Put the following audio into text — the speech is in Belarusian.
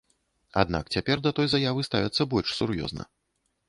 Аднак цяпер да той заявы ставяцца больш сур'ёзна.